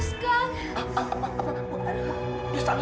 sampai jumpa di video selanjutnya